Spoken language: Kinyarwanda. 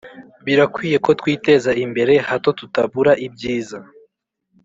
, birakwiye ko twiteza imbere hato tutabura ibyiza